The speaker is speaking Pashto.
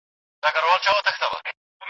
هغه په ډېر ښکلي ليک ليکي.